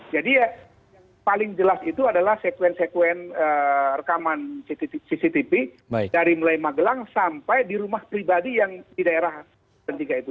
jadi ya paling jelas itu adalah sekuen sekuen rekaman cctv dari mulai magelang sampai di rumah pribadi yang di daerah ketiga itu